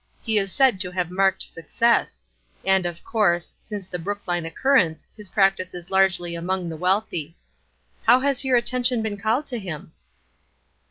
He is said to have marked success; and, of course, since the Brookline occurrence his practice is largely among the wealthy. How has your attention been called to him?"